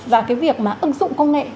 và cái việc mà ứng dụng công nghệ